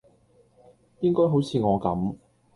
應該好似我咁